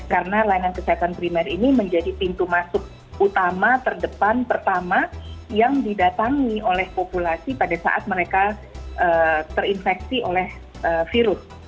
karena layanan kesehatan primer ini menjadi pintu masuk utama terdepan pertama yang didatangi oleh populasi pada saat mereka terinfeksi oleh virus